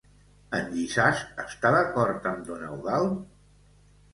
En Lissàs està d'acord amb don Eudald?